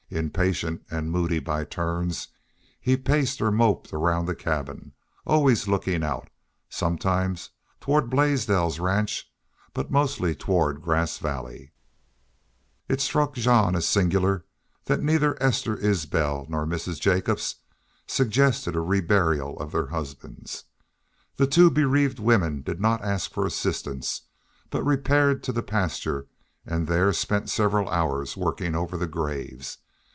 Impatient and moody by turns, he paced or moped around the cabin, always looking out, sometimes toward Blaisdell's ranch, but mostly toward Grass Valley. It struck Jean as singular that neither Esther Isbel nor Mrs. Jacobs suggested a reburial of their husbands. The two bereaved women did not ask for assistance, but repaired to the pasture, and there spent several hours working over the graves.